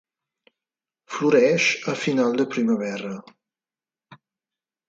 Floreix a final de primavera.